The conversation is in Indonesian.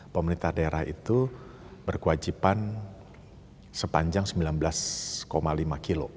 pemerintah daerah itu berkewajiban sepanjang sembilan belas lima kg